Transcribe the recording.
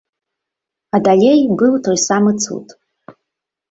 А далей быў той самы цуд.